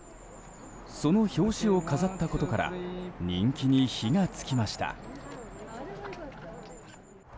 その表紙を飾ったことから人気に火が付きました。